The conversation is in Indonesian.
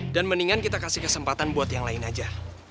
dan mendingan kita kasih kesempatan buat yang lain aja